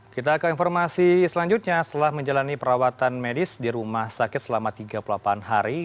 kita ke informasi selanjutnya setelah menjalani perawatan medis di rumah sakit selama tiga puluh delapan hari